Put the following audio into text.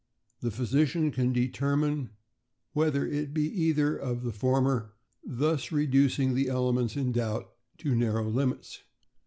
The physician can determine whether it be either of the former, thus reducing the elements in doubt to narrow lim its.